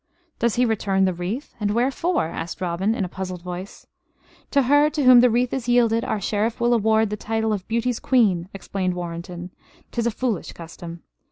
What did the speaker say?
"Does he return the wreath, and wherefore?" asked Robin, in puzzled voice. "To her to whom the wreath is yielded our Sheriff will award the title of Beauty's Queen," explained Warrenton. "'Tis a foolish custom.